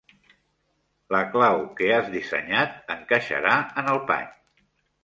La clau que has dissenyat encaixarà en el pany.